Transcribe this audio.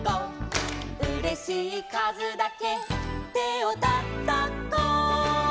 「うれしいかずだけてをたたこ」